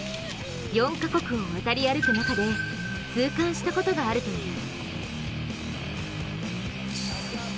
４か国を渡り歩く中で痛感したことがあるという。